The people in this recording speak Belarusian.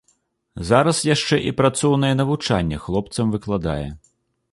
Зараз яшчэ і працоўнае навучанне хлопцам выкладае.